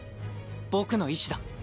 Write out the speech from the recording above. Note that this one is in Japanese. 僕の意志だ。